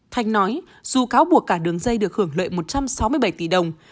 thanh nói dù cáo buộc cả đường dây được hưởng lợi một trăm sáu mươi bảy tỷ đồng